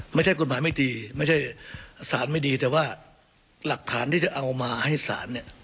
ไม่ใช่กฎหมายไม่ดีไม่ใช่สารไม่ดีแต่ว่าหลักฐานที่จะเอามาให้ศาลเนี่ย